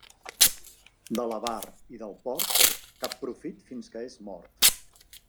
De l'avar i del porc, cap profit fins que és mort.